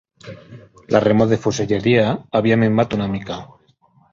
La remor de fuselleria havia minvat una mica